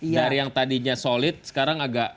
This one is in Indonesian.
dari yang tadinya solid sekarang agak